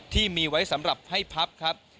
ที่มีไว้สำหรับให้พับครับ